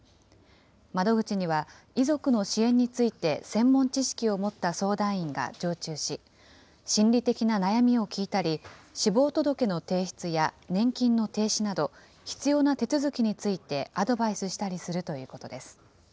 窓口には、遺族の支援について専門知識を持った相談員が常駐し、心理的な悩みを聞いたり、死亡届の提出や年金の停止など、必要な手続きについてアドバイスしたりするということです。